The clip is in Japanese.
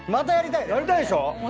やりたいでしょ？